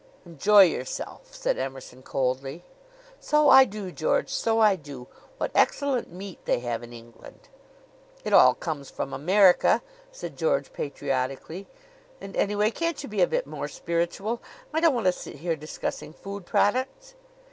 "Enjoy yourself!" said Emerson coldly. "So I do, George; so I do. What excellent meat they have in England!" "It all comes from America," said George patriotically. "And, anyway, can't you be a bit more spiritual? I don't want to sit here discussing food products."